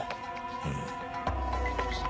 うん。